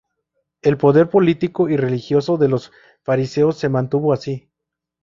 El poder político y religioso de los fariseos se mantuvo así.